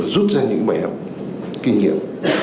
rút ra những bài học kinh nghiệm